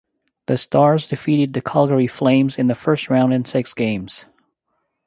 The Stars defeated the Calgary Flames in the first round in six games.